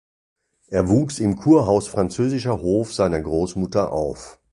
Er wuchs im Kurhaus „Französischer Hof“ seiner Großmutter auf.